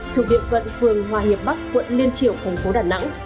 thuộc địa quận phường hoa hiệp bắc quận liên triệu thành phố đà nẵng